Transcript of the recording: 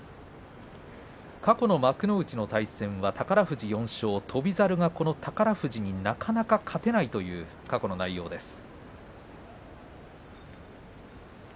過去の幕内の対戦は宝富士４勝翔猿がなかなか宝富士に勝てないという過去の内容です。